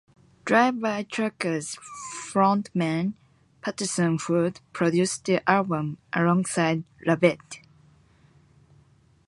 Drive-By Truckers frontman, Patterson Hood, produced the album alongside LaVette.